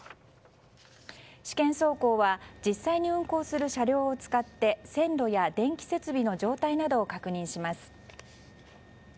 試験走行は実際に運行する車両を使って線路や電気設備の状態などを確認します。